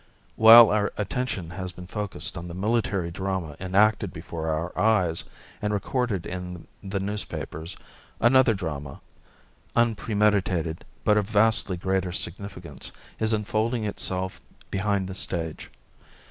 While our attention has been focused on the military drama enacted before our eyes and recorded in the newspapers, another drama, unpremeditated but of vastly greater significance, is unfolding itself behind the stage.